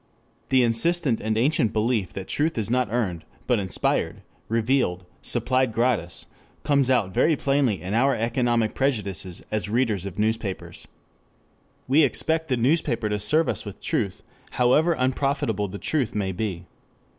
2 This insistent and ancient belief that truth is not earned, but inspired, revealed, supplied gratis, comes out very plainly in our economic prejudices as readers of newspapers. We expect the newspaper to serve us with truth however unprofitable the truth may be.